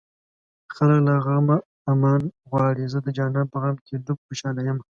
خلک له غمه امان غواړي زه د جانان په غم کې ډوب خوشاله يمه